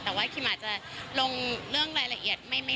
แต่ว่าคิมอาจจะลงเรื่องรายละเอียด